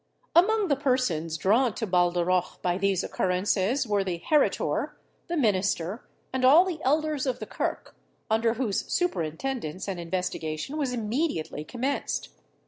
Among the persons drawn to Baldarroch by these occurrences were the heritor, the minister, and all the elders of the Kirk, under whose superintendence an investigation was immediately commenced.